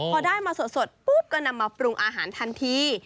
พอได้มาสดปุ๊บก็นำมาปรุงอาหารทันที